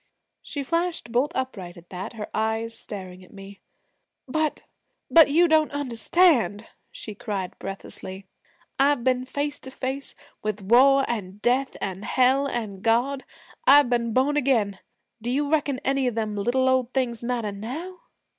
She flashed bolt upright at that, her eyes staring at me. 'But but you don't understand,' she cried breathlessly. 'I've been face to face with war an' death an' Hell an' God, I've been born again, do you reckon any of them little old things matter now?'